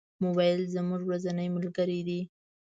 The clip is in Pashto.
موبایل زموږ ورځنی ملګری دی.